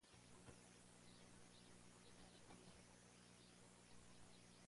Ha demostrado grandes contribuciones al geoparque Paleorrota.